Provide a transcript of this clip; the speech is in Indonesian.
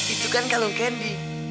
itu kan kalung kenny